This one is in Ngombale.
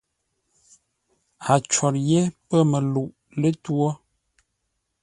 A cwor yé pə̂ məluʼ lətwǒ.